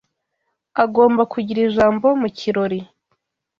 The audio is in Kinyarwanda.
Agomba kugira ijambo mu kirori.